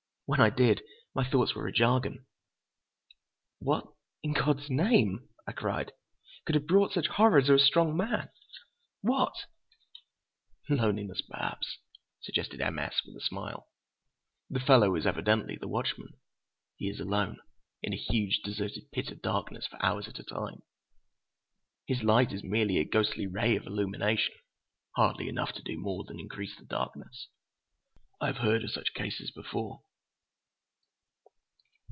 When I did, my thoughts were a jargon. "What, in God's name," I cried, "could have brought such horror to a strong man? What—" "Loneliness, perhaps," suggested M. S. with a smile. "The fellow is evidently the watchman. He is alone, in a huge, deserted pit of darkness, for hours at a time. His light is merely a ghostly ray of illumination, hardly enough to do more than increase the darkness. I have heard of such cases before."